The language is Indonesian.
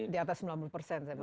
di atas sembilan puluh persen